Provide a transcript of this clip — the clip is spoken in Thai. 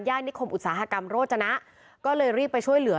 นิคมอุตสาหกรรมโรจนะก็เลยรีบไปช่วยเหลือ